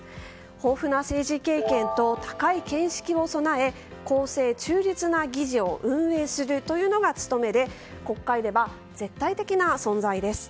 豊富な政治経験と高い見識を備え公正中立な議事を運営するというのが務めで国会では絶対的な存在です。